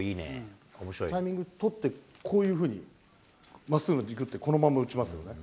タイミング取って、こういうふうに、まっすぐの軸ってこのまま打ちますよね。